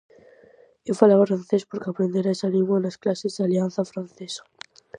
Eu falaba francés porque aprendera esa lingua nas clases da Alianza Francesa.